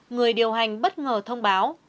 người điều hành bất ngờ thông báo